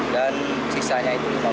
dan sisanya itu lima belas